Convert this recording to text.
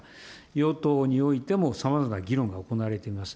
与党においてもさまざまな議論が行われています。